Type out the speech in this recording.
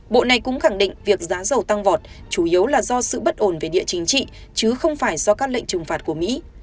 bộ này cũng khẳng định việc giá dầu tăng vọt chủ yếu là do sự bất ổn về địa chính trị chứ không phải do các lệnh trừng phạt của mỹ